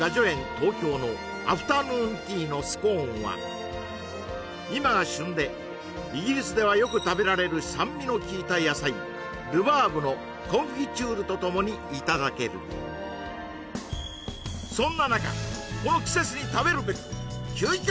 東京のアフタヌーンティーのスコーンは今が旬でイギリスではよく食べられる酸味のきいた野菜ルバーブのコンフィチュールとともにいただけるそんな中が！